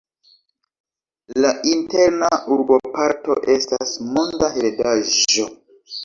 La Interna urboparto estas Monda Heredaĵo.